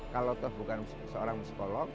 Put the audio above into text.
kalau toh bukan seorang psikolog